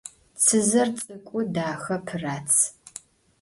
Tsızer ts'ık'u, daxe, pırats.